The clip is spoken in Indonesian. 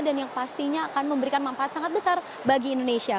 dan yang pastinya akan memberikan manfaat sangat besar bagi indonesia